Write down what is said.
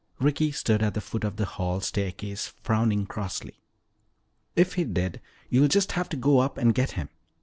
Ricky stood at the foot of the hall staircase frowning crossly. "If he did, you'll just have to go up and get him.